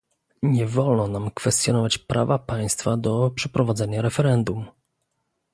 Nie wolno nam kwestionować prawa państwa do przeprowadzania referendum